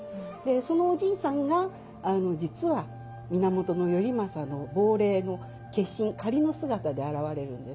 そのおじいさんが実は源頼政の亡霊の化身仮の姿で現れるんです。